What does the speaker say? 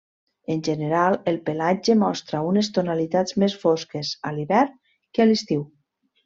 En general, el pelatge mostra unes tonalitats més fosques a l'hivern que a l'estiu.